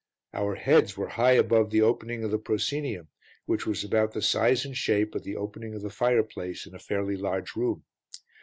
Our heads were high above the opening of the proscenium, which was about the size and shape of the opening of the fireplace in a fairly large room.